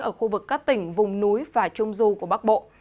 ở khu vực các tỉnh vùng núi và trung du của bắc bộ